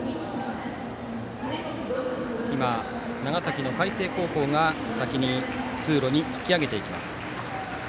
長崎の海星高校が先に通路に引き揚げていきます。